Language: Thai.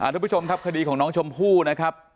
ทุกผู้ชมครับคดีของน้องชมพู่นะครับ